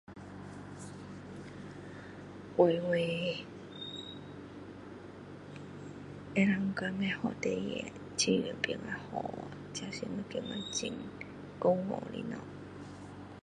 为我 [no sound]... 要这两天的好事情，就变好，这是我觉得骄傲的事